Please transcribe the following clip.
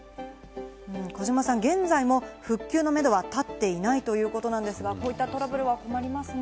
児嶋さん、現在も復旧のめどは立っていないということなんですが、こういったトラブルは困りますね。